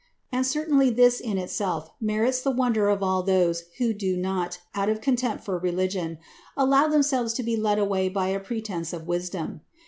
And certainly this in itself merits the wonder of all those who do not, out of contempt for religion, allow themselves to be led away by a pretence of wisdom.